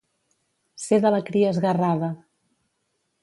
Ser de la cria esguerrada.